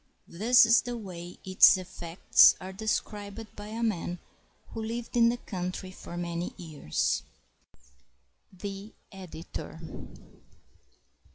This is the way its effects are described by a man who lived in the country for many years. The Editor.